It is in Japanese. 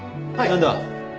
何だ？